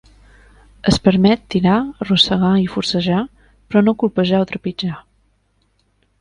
Es permet tirar, arrossegar i forcejar, però no colpejar o trepitjar.